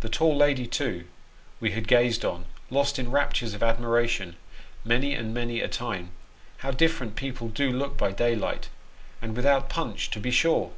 The tall lady, too, we had gazed on, lost in raptures of admiration, many and many a time how different people do look by daylight, and without punch, to be sure